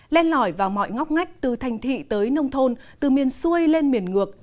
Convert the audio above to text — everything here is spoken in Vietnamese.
lên lỏi vào mọi ngóc ngách từ thành thị tới nông thôn từ miền xuôi lên miền ngược